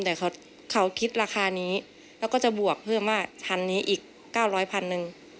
แต่เขาคิดราคานี้แล้วก็จะบวกเพิ่มว่าพันนี้อีก๙๐๐พันหนึ่ง